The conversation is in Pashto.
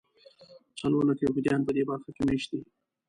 څلور لکه یهودیان په دې برخه کې مېشت دي.